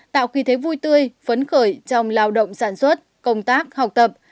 tạo khí thế vui tươi phấn khởi trong lao động sản xuất công tác học tập